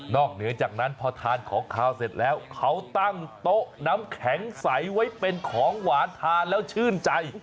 เหนือจากนั้นพอทานของขาวเสร็จแล้วเขาตั้งโต๊ะน้ำแข็งใสไว้เป็นของหวานทานแล้วชื่นใจ